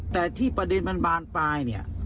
แต่ที่ประเด็นมันบานปลาย